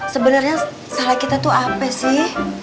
sebenarnya salah kita tuh apa sih